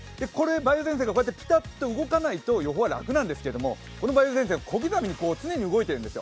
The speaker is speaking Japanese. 梅雨前線がピタッと動かないと予報は楽なんですけどこの梅雨前線は小刻みに動いてるんです。